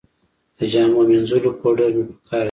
د جامو مینځلو پوډر مې په کار دي